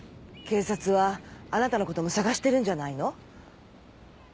警察はあなたのことも捜してるんじゃないの？